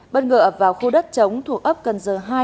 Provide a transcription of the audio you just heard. bất ngờ vào khu đất chống thuộc ấp cần giờ hai